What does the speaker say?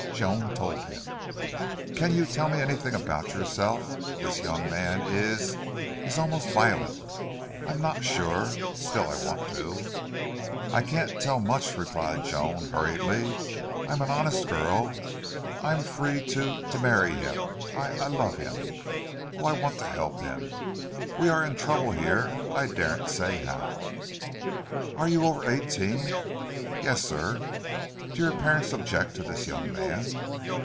Joan told him. "Can you tell anything about yourself? This young man is is almost violent. I'm not sure. Still I want to " "I can't tell much," replied Joan, hurriedly. "I'm an honest girl. I'm free to to marry him. I I love him!... Oh, I want to help him. We we are in trouble here. I daren't say how." "Are you over eighteen?" "Yes, sir." "Do your parents object to this young man?"